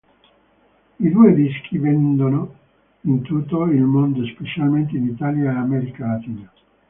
I due dischi vendono in tutto il mondo specialmente in Italia e America Latina.